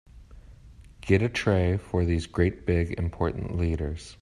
Get a tray for these great big important leaders.